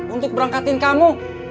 untuk berangkatin kamu